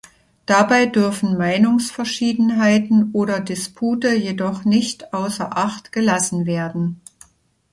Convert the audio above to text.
Dabei dürfen Meinungsverschiedenheiten oder Dispute jedoch nicht außer Acht gelassen werden.